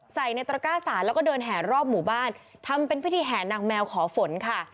ใส่ในตระก้าสารแล้วก็เดินแห่รอบหมู่บ้านทำเป็นพิธีแห่นางแมวขอฝนค่ะ